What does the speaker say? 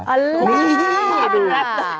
อัลล่ะมาดู